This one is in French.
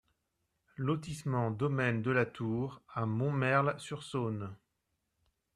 Lotissement Domaine de la Tour à Montmerle-sur-Saône